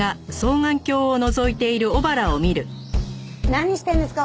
何してるんですか？